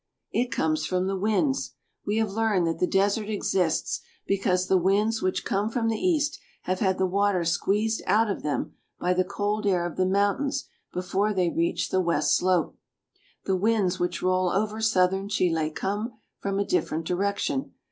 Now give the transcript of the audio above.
It comes from the winds. We have learned that the VALPARAISO. I I I desert exists because the winds which come from the east have had the water squeezed out of them by the cold air of the mountains before they reach the west slope. The winds which roll over southern Chile come from a different direction.